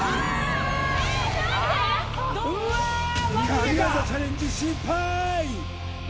神業チャレンジ失敗！